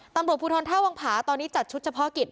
ตำรวจภูทรท่าวังผาตอนนี้จัดชุดเฉพาะกิจ